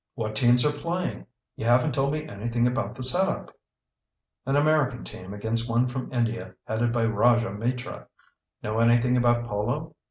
"What teams are playing? You haven't told me anything about the set up." "An American team against one from India headed by Rajah Mitra. Know anything about polo?"